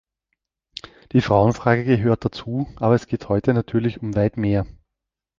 Die Frauenfrage gehört dazu, aber es geht heute natürlich um weit mehr.